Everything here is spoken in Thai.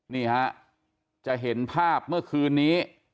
นี่ฮะจะเห็นภาพเมื่อคืนนี้